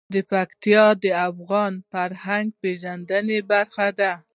پکتیا د افغانانو د فرهنګي پیژندنې برخه ده.